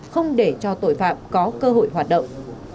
không để cho tội phạm có cơ hội hoạt động